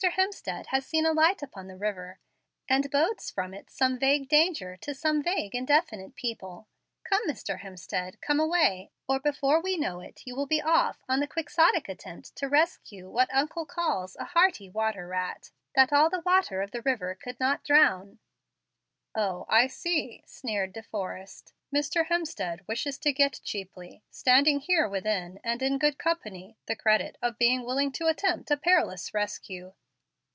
Hemstead has seen a light upon the river, and bodes from it some vague danger to some vague, indefinite people. Come, Mr. Hemstead, come away, or before we know it you will be off on the quixotic attempt to rescue what uncle calls a 'hardy water rat,' that all the water of the river could not drown." "O, I see," sneered De Forrest; "Mr. Hemstead wishes to get cheaply, standing here within and in good company, the credit of being willing to attempt a perilous rescue."